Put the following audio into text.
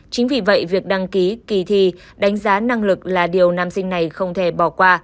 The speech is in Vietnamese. chính vì vậy việc đăng ký kỳ thi đánh giá năng lực là điều nam sinh này không thể bỏ qua